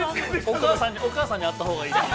◆お母さんに会ったほうがいいです。